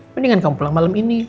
mendingan kamu pulang malam ini